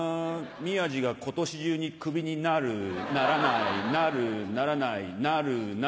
宮治が今年中にクビになるならないなるならないなるなる。